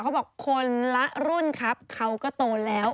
เขาบอกคนละรุ่นครับเขาก็โตแล้ว